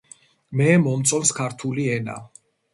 მე მომწონს ქართული ენა.